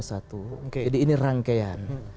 jadi ini rangkaian